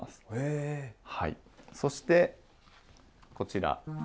そしてこちら。